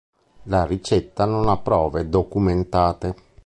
La ricetta non ha prove documentate.